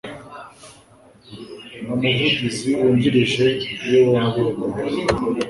n Umuvugizi wungirije Iyo bombi badahari